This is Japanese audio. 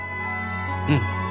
うん。